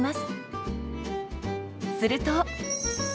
すると。